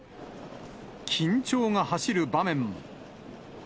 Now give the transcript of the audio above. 緊張が走る場面も。